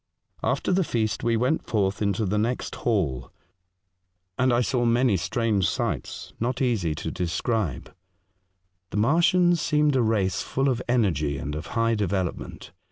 After the feast, we went forth into the next hall, and I saw many strange sights not easy to The Feast 151 describe. The Martians seemed a race full of energy and of high development.